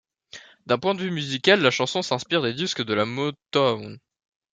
D'un point de vue musical, la chanson s'inspire des disques de la Motown.